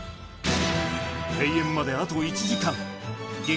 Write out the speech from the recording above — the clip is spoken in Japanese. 閉園まであと１時間激